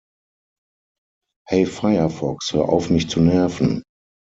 Hey Firefox, hör auf mich zu nerven!